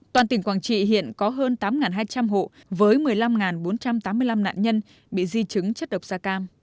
toàn tỉnh quảng trị hiện có hơn tám hai trăm linh hộ với một mươi năm bốn trăm tám mươi năm nạn nhân bị di chứng chất độc da cam